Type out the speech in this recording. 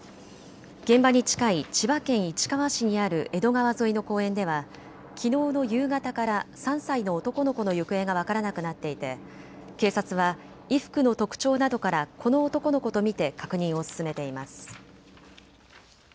現場に近い千葉県市川市にある江戸川沿いの公園ではきのうの夕方から３歳の男の子の行方が分からなくなっていて警察は衣服の特徴などからこの男の子と見て確認を進めています。